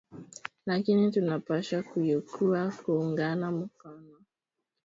Lakini tuna pashwa kuyua ku ungana mukono